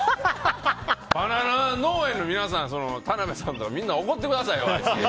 バナナ農園の皆さん田邊さんとかみんな怒ってくださいよ！